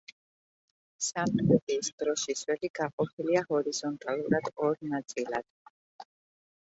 სამტრედიის დროშის ველი გაყოფილია ჰორიზონტალურად ორ ნაწილად.